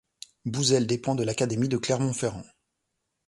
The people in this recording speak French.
Bouzel dépend de l'académie de Clermont-Ferrand.